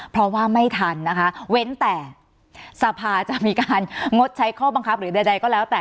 เพราะว่าไม่ทันนะคะเว้นแต่สภาจะมีการงดใช้ข้อบังคับหรือใดก็แล้วแต่